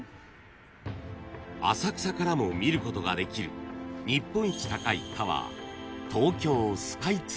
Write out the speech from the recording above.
［浅草からも見ることができる日本一高いタワー］